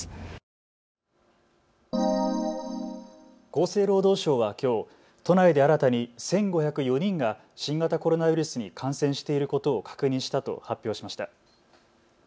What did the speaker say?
厚生労働省はきょう、都内で新たに１５０４人が新型コロナウイルスに感染していることを確認したと発表しました。